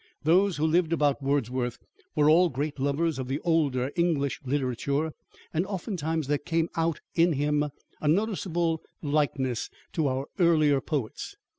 Those who lived about Wordsworth were all great lovers of the older English literature, and oftentimes there came out in him a noticeable likeness to our earlier poets.